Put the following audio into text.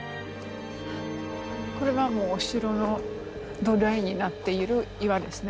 これはもうお城の土台になっている岩ですね。